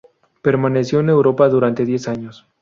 Permaneció en Europa durante diez años.